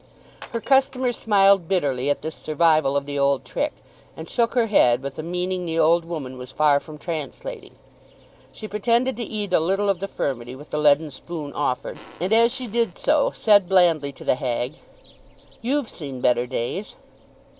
Her customer smiled bitterly at this survival of the old trick, and shook her head with a meaning the old woman was far from translating. She pretended to eat a little of the furmity with the leaden spoon offered, and as she did so said blandly to the hag, "You've seen better days?"